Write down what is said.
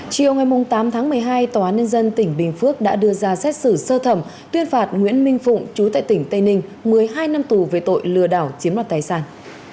chiều ngày tám tháng một mươi hai tòa án nhân dân tỉnh bình phước đã đưa ra xét xử sơ thẩm tuyên phạt nguyễn minh phụng chú tại tỉnh tây ninh một mươi hai năm tù về tội lừa đảo chiếm đoạt tài sản